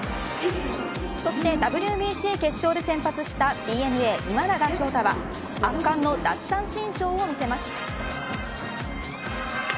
そしてＷＢＣ決勝で先発したＤｅＮＡ今永昇太は圧巻の奪三振ショーを見せます。